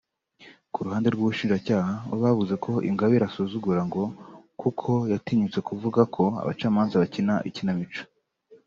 Ku ruhande rw’ubushinjacyaha bo bavuze ko Ingabire asuzugura ngo kuko yatinyutse kuvuga ko abacamanza bakina ikinamico